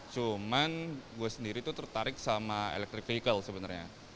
cuman gue sendiri tuh tertarik sama electric vehicle sebenarnya